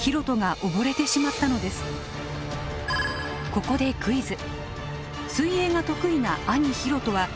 ここでクイズ。